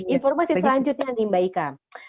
informasi selanjutnya nih mbak ika